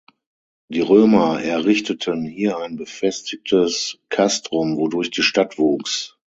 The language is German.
Die Römer errichteten hier ein befestigtes Castrum, wodurch die Stadt wuchs.